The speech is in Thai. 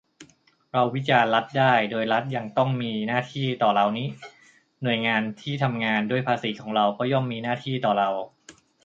เราวิจารณ์รัฐได้ โดยรัฐยังต้องมีหน้าที่ต่อเรานิ หน่วยงานที่ทำงานด้วยภาษีของเราก็ย่อมมีหน้าที่ต่อเรา